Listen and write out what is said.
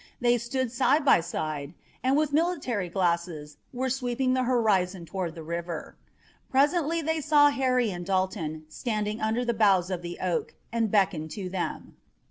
They stood side by side and with military glasses were sweeping the horizon toward the river. Presently they saw Harry and Dalton standing under the boughs of the oak, and beckoned to them.